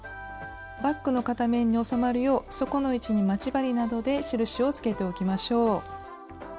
バッグの片面に収まるよう底の位置に待ち針などで印をつけておきましょう。